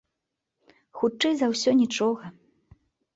Хутчэй за ўсё, нічога.